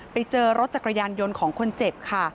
ไปเจอรถจักรยานยนต์ของคนเจ็บค่ะ